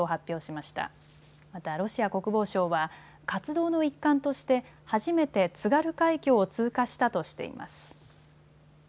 またロシア国防省は活動の一環として初めて津軽海峡を通過したとしています。